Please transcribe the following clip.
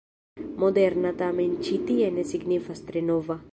”Moderna” tamen ĉi tie ne signifas tre nova.